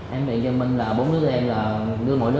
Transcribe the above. em điện cho minh là bốn đứa em là đứa mỗi đứa